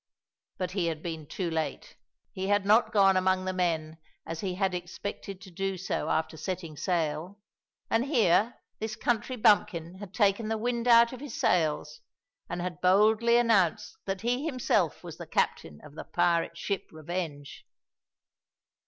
But he had been too late. He had not gone among the men as he had expected to do soon after setting sail, and here this country bumpkin had taken the wind out of his sails and had boldly announced that he himself was the captain of the pirate ship Revenge.